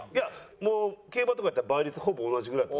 もう競馬とかやったら倍率ほぼ同じぐらいやと。